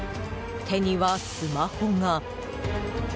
手にはスマホが。